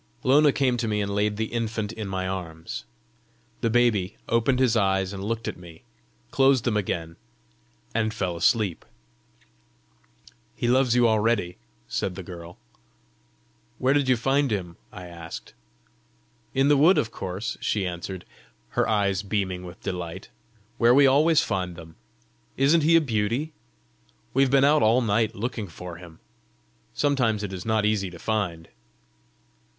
Lona came to me and laid the infant in my arms. The baby opened his eyes and looked at me, closed them again, and fell asleep. "He loves you already!" said the girl. "Where did you find him?" I asked. "In the wood, of course," she answered, her eyes beaming with delight, " where we always find them. Isn't he a beauty? We've been out all night looking for him. Sometimes it is not easy to find!"